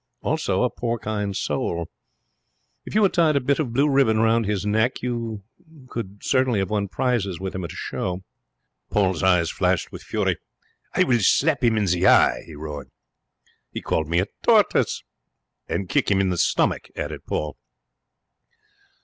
Also a porcine soul. If you had tied a bit of blue ribbon round his neck you could have won prizes with him at a show. Paul's eyes flashed with fury. 'I will slap him in the eye,' he roared. 'He called me a tortoise.' 'And kick him in the stomach,' added Paul.